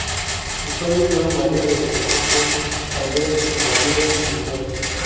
Sus padres fueron María del Refugio Alvear y Matías Cisneros.